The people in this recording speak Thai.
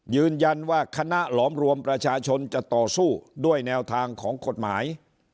ยืนยันว่าคณะหลอมรวมประชาชนจะต่อสู้ด้วยแนวทางของกฎหมาย